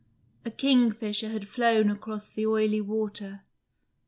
A kingfisher had flown across the oily water.